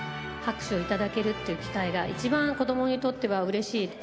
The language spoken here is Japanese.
拍手を頂けるっていう機会が、一番、子どもにとってはうれしい。